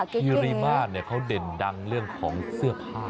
คือขีริมาชเนี่ยเขาเด่นดังเรื่องของเทือผ้า